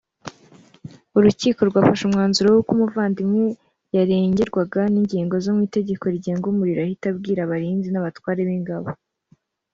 urukiko rwafashe umwanzuro w’uko umuvandimwe yarengerwaga n’ingingo zo mu itegeko rigenga umuriro ahita abwira abarinzi n’abatware b’ingabo